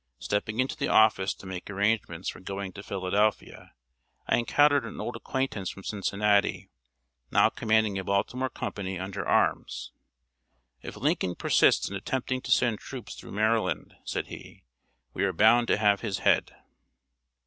Stepping into the office to make arrangements for going to Philadelphia, I encountered an old acquaintance from Cincinnati, now commanding a Baltimore company under arms: "If Lincoln persists in attempting to send troops through Maryland," said he, "we are bound to have his head!"